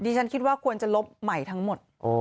ฉันคิดว่าควรจะลบใหม่ทั้งหมด